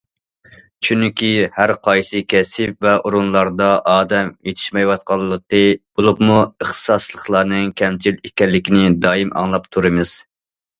چۈنكى ھەرقايسى كەسىپ ۋە ئورۇنلاردا ئادەم يېتىشمەيۋاتقانلىقى، بولۇپمۇ ئىختىساسلىقلارنىڭ كەمچىل ئىكەنلىكىنى دائىم ئاڭلاپ تۇرىمىز.